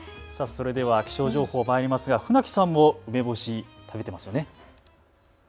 それでは気象情報、まいりますが船木さんも梅干し、食べていますよね？